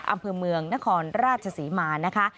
อำเภอเมืองนครราชศรีมานะคะ